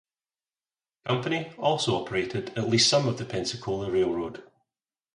The company also operated at least some of the Pensacola Railroad.